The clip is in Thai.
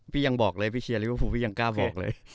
ยังบอกเลยพี่เชียร์ลิเวอร์ฟูลพี่ยังกล้าบอกเลย